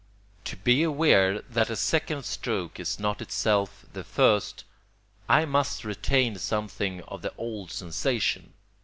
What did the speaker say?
To be aware that a second stroke is not itself the first, I must retain something of the old sensation.